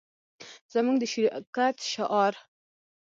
زموږ د شرکت شعار